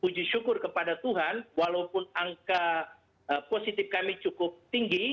puji syukur kepada tuhan walaupun angka positif kami cukup tinggi